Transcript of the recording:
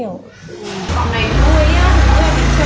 bọn này vui á nó có thể chơi quen với nó ấy